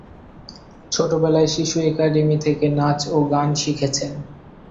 ছোটবেলায় শিশু একাডেমী থেকে নাচ ও গান শিখেছেন।